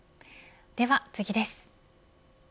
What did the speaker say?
では次です。